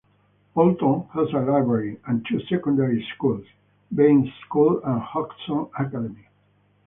Poulton has a library and two secondary schools; Baines School and Hodgson Academy.